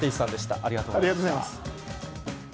ありがとうございます。